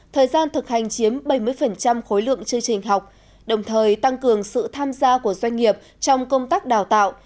thời gian thực hành chiếm bảy mươi khối lượng chương trình học đồng thời tăng cường sự tham gia của doanh nghiệp trong công tác đào tạo